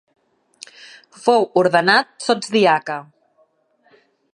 Fou ordenat sotsdiaca.